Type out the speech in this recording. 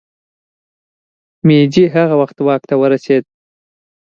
مېجي هغه وخت واک ته ورسېد.